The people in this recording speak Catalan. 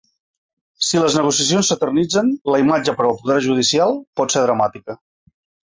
Si les negociacions s’eternitzen, la imatge per al poder judicial pot ser dramàtica.